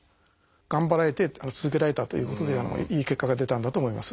頑張られて続けられたということでいい結果が出たんだと思います。